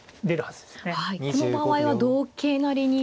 はいこの場合は同桂成に。